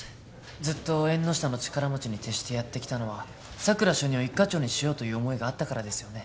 ずっと縁の下の力持ちに徹してやってきたのは佐久良主任を一課長にしようという思いがあったからですよね